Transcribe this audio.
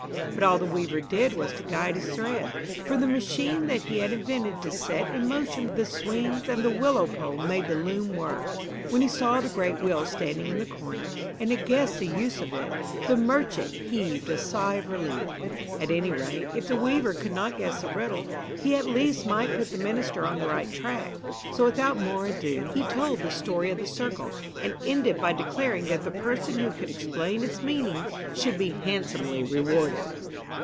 But all the weaver did was to guide his threads, for the machine that he had invented to set in motion the swings and the willow pole made the loom work. When he saw the great wheel standing in the corner, and had guessed the use of it, the merchant heaved a sigh of relief. At any rate, if the weaver could not guess the riddle, he at least might put the minister on the right track. So without more ado he told the story of the circle, and ended by declaring that the person who could explain its meaning should be handsomely rewarded.